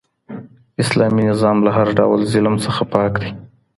اسلامي نظام له هر ډول ظلم څخه پاک دی.